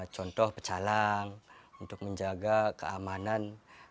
contoh pecalang untuk menjaga keamanan